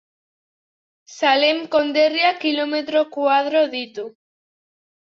Salem konderriak kilometro koadro ditu.